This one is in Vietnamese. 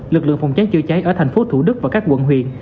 lực lượng phòng cháy chữa cháy ở thành phố thủ đức và các quận huyện